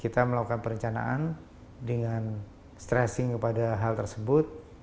kita melakukan perencanaan dengan stressing kepada hal tersebut